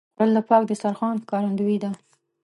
خوړل د پاک دسترخوان ښکارندویي ده